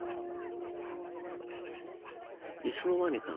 いつの間にかね